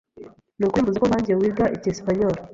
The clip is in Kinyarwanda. Nukuri mvuze ko, nkanjye, wiga icyesipanyoli?